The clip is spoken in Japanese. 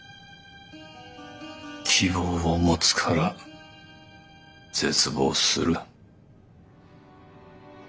希望を持つから絶望する。